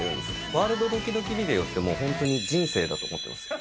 ワールドドキドキビデオってもう本当に人生だと思ってます。